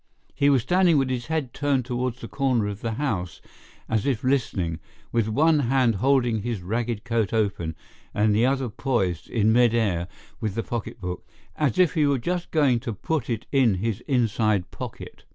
He was standing with his head turned towards the corner of the house as if listening, with one hand holding his ragged coat open and the other poised in mid air with the pocketbook, as if he were just going to put it in his inside pocket.